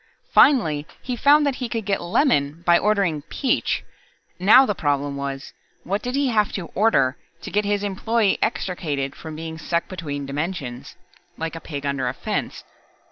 Finally he found that he could get lemon by ordering peach. Now the problem was, what did he have to "order" to get his employer extricated from being stuck between dimensions, like a pig under a fence?